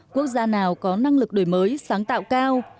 quốc gia nào có năng lực đổi mới sáng tạo cao